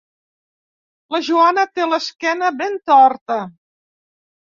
La Joana té l'esquena ben torta.